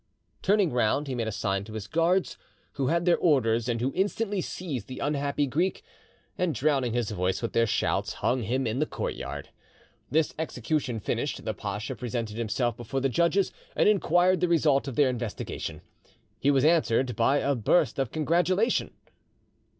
Turning round, he made a sign to his guards, who had their orders, and who instantly seized the unhappy Greek, and, drowning his voice with their shouts, hung him in the courtyard. This execution finished, the pacha presented himself before the judges and inquired the result of their investigation. He was answered by a burst of congratulation.